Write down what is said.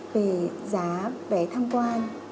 về giá về tham quan